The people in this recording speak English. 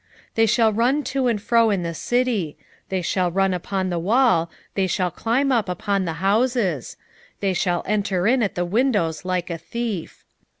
2:9 They shall run to and fro in the city; they shall run upon the wall, they shall climb up upon the houses; they shall enter in at the windows like a thief.